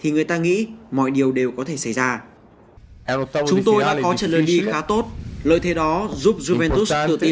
xin chào và hẹn gặp lại